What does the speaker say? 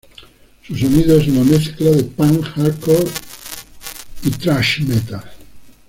Su sonido es una mezcla de punk, hardcore y thrash metal.